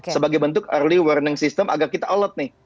sebagai bentuk early warning system agar kita allet nih